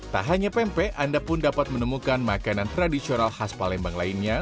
tak hanya pempek anda pun dapat menemukan makanan tradisional khas palembang lainnya